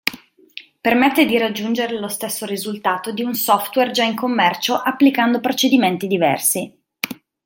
Permette di raggiungere lo stesso risultato di un software già in commercio applicando procedimenti diversi.